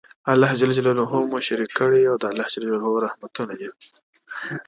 الله ج مو شريک کړی او د الله رحمتونه دي